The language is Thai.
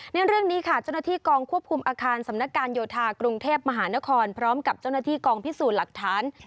ในเรื่องนี้ค่ะเจ้าหน้าที่กองควบคุมอาคารสำนักการโยธากรุงเทพมหานครพร้อมกับเจ้าหน้าที่กองพิสูจน์หลักฐาน